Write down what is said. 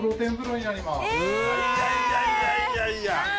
いやいやいやいや！